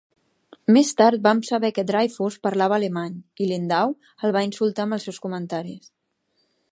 Més tard vam saber que Dryfoos parlava alemany, i Lindau el va insultar amb els seus comentaris.